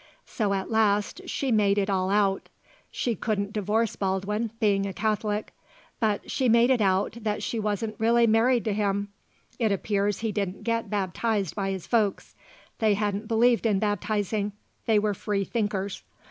So at last she made it all out. She couldn't divorce Baldwin, being a Catholic; but she made it out that she wasn't really married to him. It appears he didn't get baptized by his folks; they hadn't believed in baptizing; they were free thinkers.